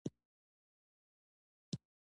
هغه د خپل خر سره انصاف کاوه.